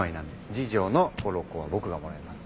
次女のコロ子は僕がもらいます。